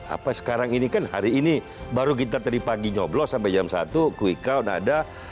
apa sekarang ini kan hari ini baru kita tadi pagi nyoblos sampai jam satu quick count ada